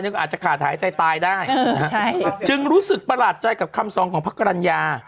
ก็อาจจะขาดหายใจตายได้จึงรู้สึกประหลาดใจกับคำสองของพระกรรณญา